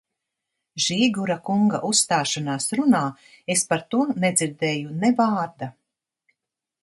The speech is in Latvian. Žīgura kunga uzstāšanās runā es par to nedzirdēju ne vārda.